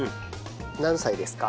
何歳ですか？